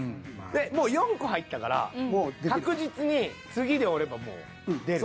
でもう４個入ったからもう確実に次でおればもう出る。